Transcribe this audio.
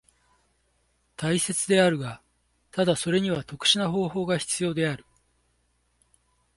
大切であるが、ただそれには特殊な方法が必要である。